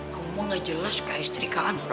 kamu gak jelas kak istri kangen